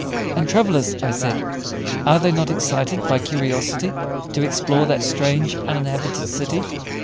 "And travellers," I said, "are they not excited by curiosity to explore that strange uninhabited city?"